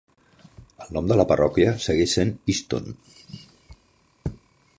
El nom de la parròquia segueix sent Easton.